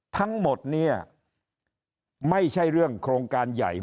ทั้งหมดเนี่ยไม่ใช่เรื่องโครงการใหญ่